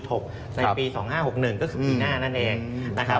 ก็คือปีหน้านั่นเองนะครับ